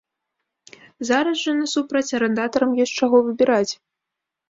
Зараз жа, насупраць, арандатарам ёсць з чаго выбіраць.